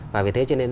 và vì thế cho nên